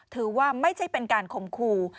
ถือว่าไม่ใช่คนคมคู่